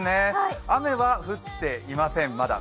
雨は降っていません、まだ。